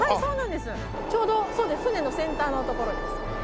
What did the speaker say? ちょうど船の先端のところです。